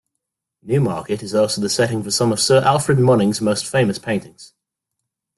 Newmarket is also the setting for some of Sir Alfred Munnings's most famous paintings.